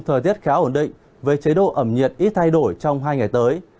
thời tiết khá ổn định với chế độ ẩm nhiệt ít thay đổi trong hai ngày tới